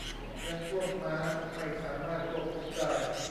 การควบม้าไม่สามารถควบคุมได้